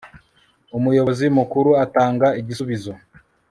umuyobozi mukuru atanga igisubizo